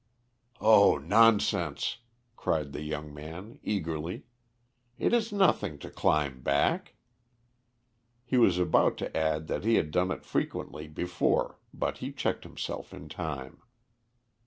"Oh, nonsense!" cried the young man eagerly. "It is nothing to climb back." He was about to add that he had done it frequently before, but he checked himself in time.